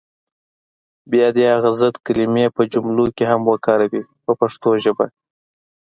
بیا دې هغه ضد کلمې په جملو کې هم وکاروي په پښتو ژبه.